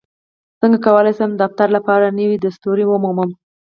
څنګه کولی شم د افتار لپاره نوې دستورې ومومم